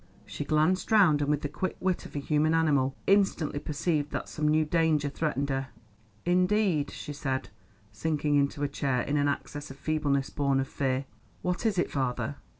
She glanced round, and with the quick wit of a human animal, instantly perceived that some new danger threatened her. "Indeed," she said, sinking into a chair in an access of feebleness born of fear. "What is it, father?"